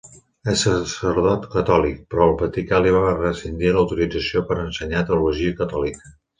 És sacerdot catòlic, però el Vaticà li va rescindir l'autorització per a ensenyar teologia catòlica.